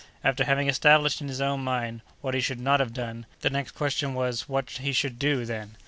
After having established in his own mind what he should not have done, the next question was, what he should do, then.